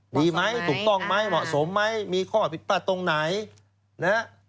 ดีไหมถูกต้องไหมเหมาะสมไหมมีข้อผิดพลาดตรงไหนนะฮะ